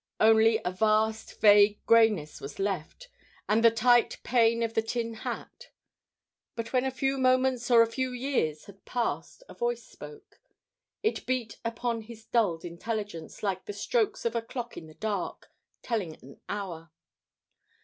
Only a vast, vague greyness was left, and the tight pain of the tin hat. But when a few moments or a few years had passed, a voice spoke. It beat upon his dulled intelligence like the strokes of a clock in the dark, telling an hour.